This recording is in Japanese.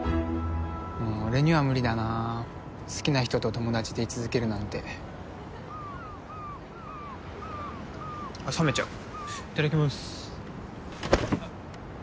俺には無理だな好きな人と友達で居続けるなんてあっ冷めちゃういただきます